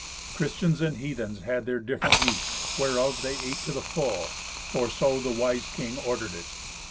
Christians and heathens had their different meats, whereof they ate to the full; for so the wise king ordered it.